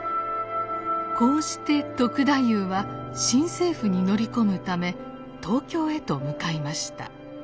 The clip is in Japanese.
こうして篤太夫は新政府に乗り込むため東京へと向かいました。